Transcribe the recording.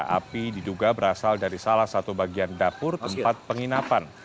api diduga berasal dari salah satu bagian dapur tempat penginapan